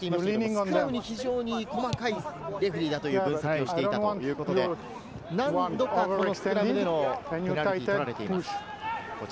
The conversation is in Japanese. スクラムに非常に細かいレフェリーだという分析をしていたということで、何度かペナルティーを取られています。